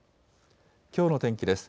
きょうの天気です。